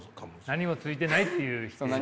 何もついてないっていう否定ですね。